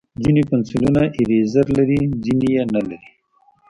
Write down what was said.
ځینې پنسلونه ایریزر لري، ځینې یې نه لري.